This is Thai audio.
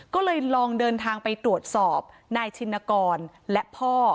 ก็เลยลองเดินทางไปตรวจสอบนายชินกรและพ่อ